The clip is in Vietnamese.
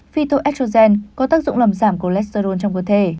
phyto estrogen có tác dụng làm giảm cholesterol trong cơ thể